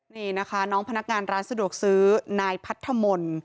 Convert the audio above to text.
นี่นะคะน้องพนักงานร้านสะดวกซื้อนายพัทธมนต์